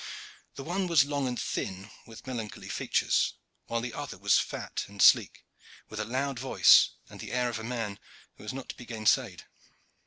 The one was long and thin, with melancholy features, while the other was fat and sleek, with a loud voice and the air of a man who is not to be gainsaid.